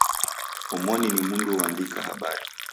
Omoni ni mndu oandika habari.